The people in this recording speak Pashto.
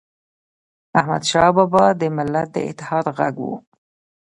احمدشاه بابا د ملت د اتحاد ږغ و.